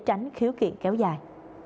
để tránh khiếu kiện kéo dài